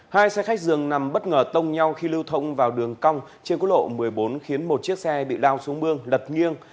hai xe khách dường nằm bất ngờ tông nhau khi lưu thông vào đường cong trên quốc lộ một mươi bốn khiến một chiếc xe bị lao xuống mương lật nghiêng